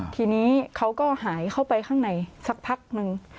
ทีนี้เขาก็หายเข้าไปข้างในสักพักนึง